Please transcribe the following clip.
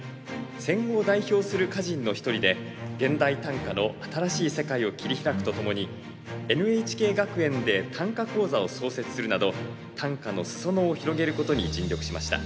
戦後を代表する歌人の一人で現代短歌の新しい世界を切り開くとともにＮＨＫ学園で短歌講座を創設するなど短歌の裾野を広げることに尽力しました。